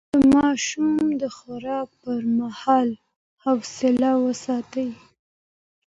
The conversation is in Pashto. د ماشوم د خوراک پر مهال حوصله وساتئ.